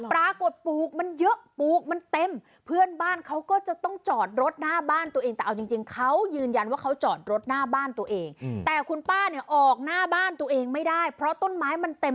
ปลากดปลูกมันเยอะปลูกมันเต็ม